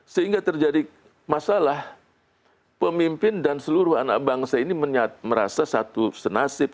sehingga terjadi masalah pemimpin dan seluruh anak bangsa ini merasa satu senasib